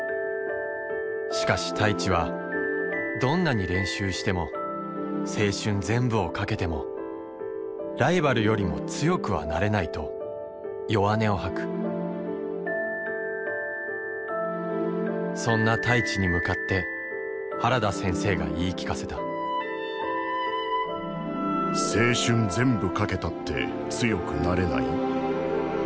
しかし太一はどんなにれんしゅうしても青春ぜんぶを懸けてもライバルよりも強くはなれないとよわねをはくそんな太一にむかって原田先生がいいきかせた“青春ぜんぶ懸けたって強くなれない”？